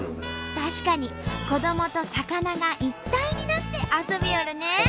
確かに子どもと魚が一体になって遊びよるね。